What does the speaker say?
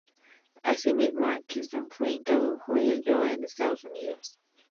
Asimismo, Atkinson fue quien introdujo el yoga en los Estados Unidos.